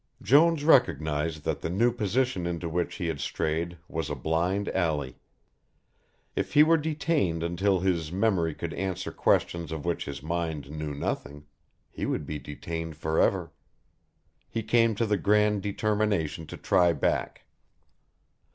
Jones recognized that the new position into which he had strayed was a blind alley. If he were detained until his memory could answer questions of which his mind knew nothing, he would be detained forever. He came to the grand determination to try back.